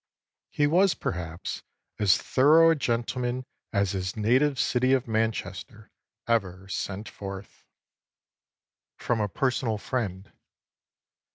He was, perhaps, as thorough a gentleman as his native city of Manchester ever sent forth." [Sidenote: A personal friend.